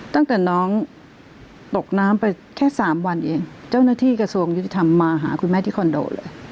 ตั้งแต่น้องตกน้ำไปแค่สามวันเองเจ้าหน้าที่กระทรวงยุติธรรมมาหาคุณแม่ที่คอนโดเลย